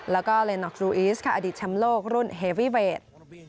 แล้วก็เลนอร์คลูอีสค่ะอดีตชำโลกรุ่นเฮเวอร์เวท